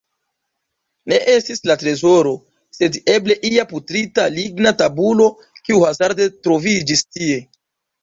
Ne estis la trezoro, sed eble ia putrita ligna tabulo, kiu hazarde troviĝis tie.